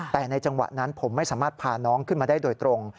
แต่ในจังหวะนั้นผมไม่สามารถพาน้องขึ้นมาได้โดยตรง